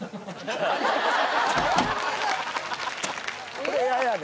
これ嫌やね。